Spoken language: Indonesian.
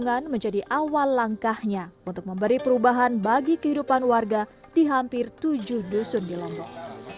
lingkungan menjadi awal langkahnya untuk memberi perubahan bagi kehidupan warga di hampir tujuh dusun di lombok